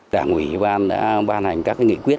đảng ủy ban đã ban hành các nghị quyết